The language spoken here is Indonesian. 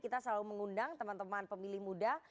kita selalu mengundang teman teman pemilih muda